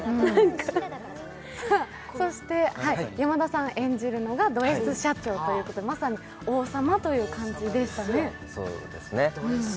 そして山田さん演じるのがドＳ社長ということで、まさに王様という感じでしたね？